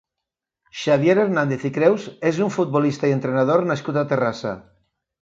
Xavier Hernández i Creus és un futbolista i entrenador nascut a Terrassa.